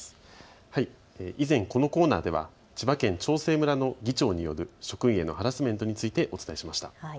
以前、このコーナーでは千葉県長生村の議長による職員へのハラスメントについてお伝えしました。